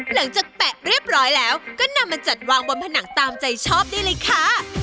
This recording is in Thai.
แปะเรียบร้อยแล้วก็นำมาจัดวางบนผนังตามใจชอบได้เลยค่ะ